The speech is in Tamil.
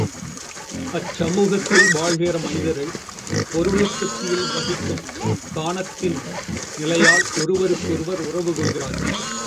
அச்சமூகத்தில் வாழ்கிற மனிதர்கள், இப்பொருளுற்பத்தியில் வகிக்கும் ஸ்தானத்தின் நிலையால் ஒருவருக்கொருவர் உறவு கொள்ளுகிறார்கள்.